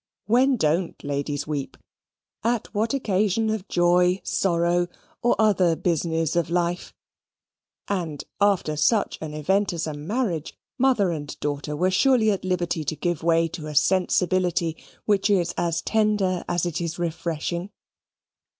When don't ladies weep? At what occasion of joy, sorrow, or other business of life, and, after such an event as a marriage, mother and daughter were surely at liberty to give way to a sensibility which is as tender as it is refreshing.